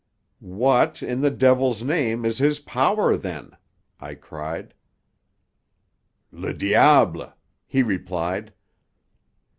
"What, in the devil's name, is his power, then?" I cried. "Le diable," he replied.